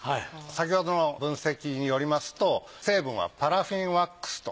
先ほどの分析によりますと成分はパラフィンワックスと。